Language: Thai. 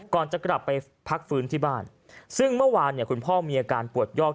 ก่อนจะกลับไปพักฟื้นที่บ้านซึ่งเมื่อวานเนี่ยคุณพ่อมีอาการปวดยอก